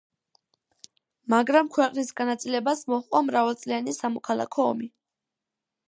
მაგრამ ქვეყნის განაწილებას მოჰყვა მრავალწლიანი სამოქალაქო ომი.